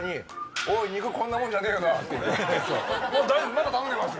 まだ頼んでます！